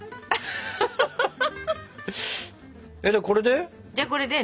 でこれで？